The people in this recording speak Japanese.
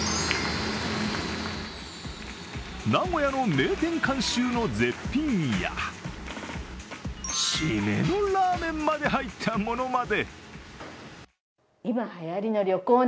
名古屋の名店監修の絶品や締めのラーメンまで入ったものまで。